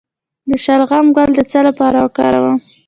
د شلغم ګل د څه لپاره وکاروم؟